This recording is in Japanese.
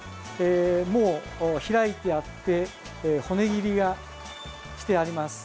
もう開いてあって骨切りがしてあります。